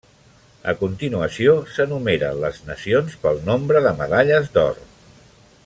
A continuació, s'enumeren les nacions pel nombre de medalles d'or.